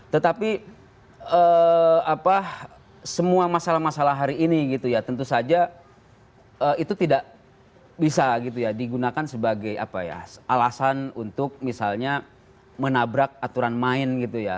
tetapi semua masalah masalah hari ini gitu ya tentu saja itu tidak bisa gitu ya digunakan sebagai alasan untuk misalnya menabrak aturan main gitu ya